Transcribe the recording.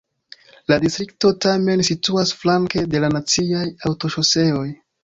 La distrikto tamen situas flanke de la naciaj aŭtoŝoseoj.